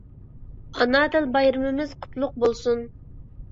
ئانا تىل بايرىمىمىز قۇتلۇق بولسۇن!